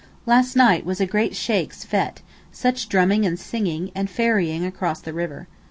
Last night was a great Sheykh's fête, such drumming and singing, and ferrying across the river.